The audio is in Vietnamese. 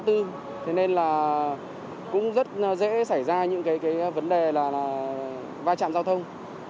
thế nên là cũng rất dễ xảy ra những cái vấn đề là va chạm giao thông